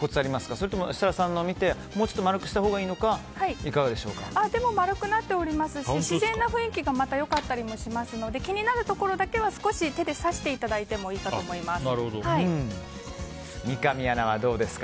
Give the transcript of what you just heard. それとも設楽さんの見てもうちょっと丸くなっておりますし自然の雰囲気がまた良かったりもしますので気になるところだけは少し手で挿していただいても三上アナはどうですか？